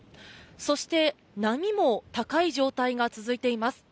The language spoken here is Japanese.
そして波も高い状態が続いています。